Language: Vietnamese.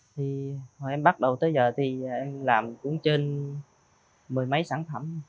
thì em bắt đầu tới giờ thì em làm cũng trên mười mấy sản phẩm